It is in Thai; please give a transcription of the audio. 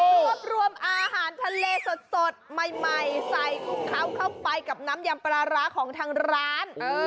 รวบรวมอาหารทะเลสดใหม่ใส่ของเขาเข้าไปกับน้ำยำปลาร้าของทางร้าน